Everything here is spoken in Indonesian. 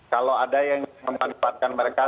kalau ada yang memanfaatkan mereka